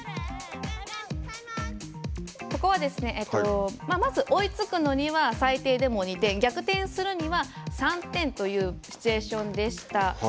ここはまず追いつくのには最低でも２点逆転するには３点というシチュエーションでした。